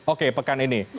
oke pekan ini